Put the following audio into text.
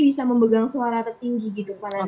bisa memegang suara tertinggi gitu